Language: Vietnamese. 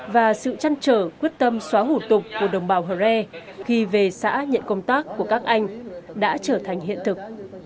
và sự trăn trở quyết tâm xóa hủ tục của đồng bào hờ re khi về xã nhận công tác của các anh đã trở thành hiện thực